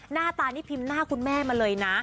หน้าตานี่พิมพ์หน้าคุณแม่มาเลยนะ